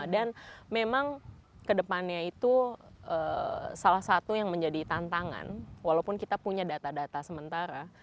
dan memang kedepannya itu salah satu yang menjadi tantangan walaupun kita punya data data sementara